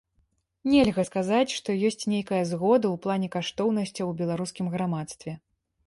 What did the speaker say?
Нельга сказаць, што ёсць нейкая згода у плане каштоўнасцяў у беларускім грамадстве.